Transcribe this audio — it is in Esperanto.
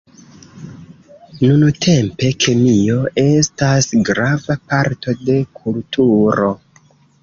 Nuntempe kemio estas grava parto de kulturo.